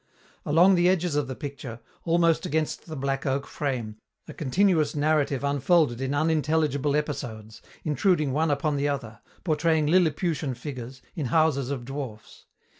Along the edges of the picture, almost against the black oak frame, a continuous narrative unfolded in unintelligible episodes, intruding one upon the other, portraying Lilliputian figures, in houses of dwarfs.